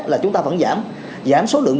là chúng ta vẫn giảm giảm số lượng